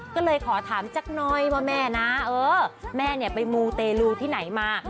ก็เลยขอถามจักหน่อยว่าแม่นะเออแม่เนี่ยไปมูเตลูที่ไหนมา